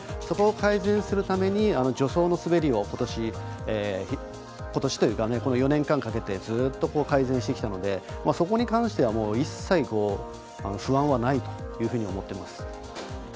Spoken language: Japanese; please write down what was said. そこを改善するために助走の滑りをことしというかこの４年間かけてずっと、改善してきたのでそこに関しては一切、不安はないというふうに思っています。